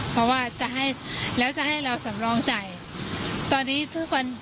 เพราะว่าจะให้แล้วจะให้เราสำรองจ่าย